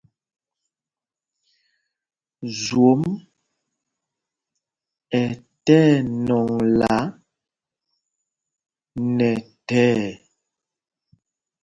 Zwom ɛ tí ɛnɔŋla nɛ thɛɛ.